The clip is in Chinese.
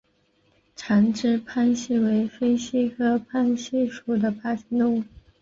长肢攀蜥为飞蜥科攀蜥属的爬行动物。